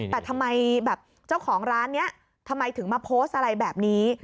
แต่ทำไมแบบเจ้าของร้านนี้ทำไมถึงมาโพสต์อะไรแบบนี้